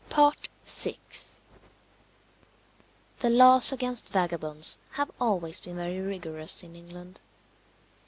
VI. The laws against vagabonds have always been very rigorous in England.